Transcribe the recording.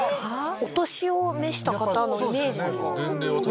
お年を召した方のイメージ。